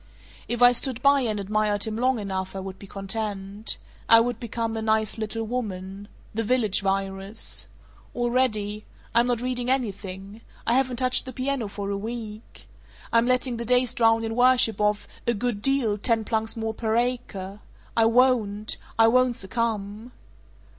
"If I stood by and admired him long enough, I would be content. I would become a 'nice little woman.' The Village Virus. Already I'm not reading anything. I haven't touched the piano for a week. I'm letting the days drown in worship of 'a good deal, ten plunks more per acre.' I won't! I won't succumb!